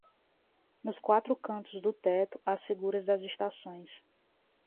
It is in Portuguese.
Nos quatro cantos do teto as figuras das estações